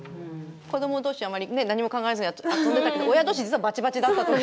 子ども同士はあまり何も考えずに遊んでたけど親同士、実はバチバチだったとか。